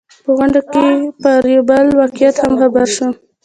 په غونډه کې پر بل واقعیت هم خبر شوم.